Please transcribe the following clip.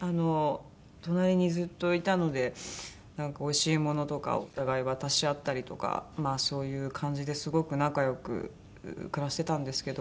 隣にずっといたのでなんかおいしいものとかをお互い渡し合ったりとかまあそういう感じですごく仲良く暮らしてたんですけど。